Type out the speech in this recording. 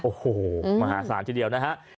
โอ้โหมหาศาลทีเดียวนะฮะ